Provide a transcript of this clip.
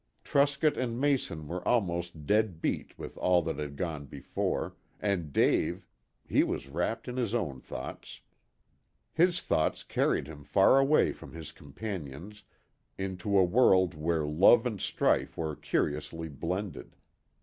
Truscott and Mason were almost "dead beat" with all that had gone before, and Dave he was wrapped in his own thoughts. His thoughts carried him far away from his companions into a world where love and strife were curiously blended.